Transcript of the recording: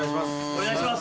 お願いします。